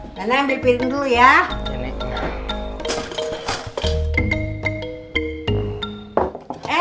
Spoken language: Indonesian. nana ambil piring dulu ya